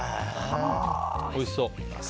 おいしそう！